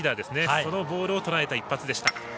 そのボールをとらえた一発でした。